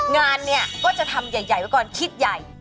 งานเนี่ยก็จะทำใหญ่ไว้ก่อนคิดใหญ่